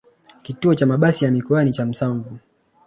kituo cha mabasi ya mikoani cha Msanvu